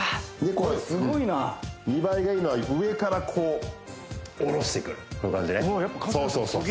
これすごいな見栄えがいいのは上からこう下ろしてくるこういう感じねうわ